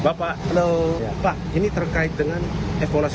bapak ini terkait dengan evaluasi